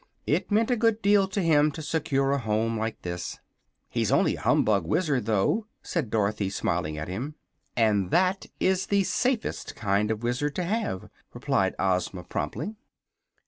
It meant a good deal to him to secure a home like this. "He's only a humbug Wizard, though," said Dorothy, smiling at him. "And that is the safest kind of a Wizard to have," replied Ozma, promptly.